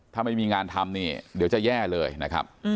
ถ้าไม่มีงานทำนี่เดี๋ยวจะแย่เลยนะครับ